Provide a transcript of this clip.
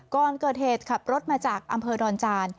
ก่อนเกิดเหตุขับรถมาจากอำเภอดอนจาน